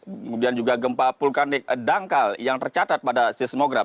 kemudian juga gempa vulkanik dangkal yang tercatat pada seismograf